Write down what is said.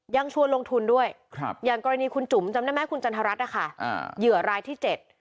ยังชวนลงทุนด้วยอย่างกรณีคุณจุ๋มจำได้มั้ยคุณจันทรัศน์ค่ะเหลือลายที่๗